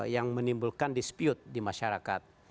yang menimbulkan dispute di masyarakat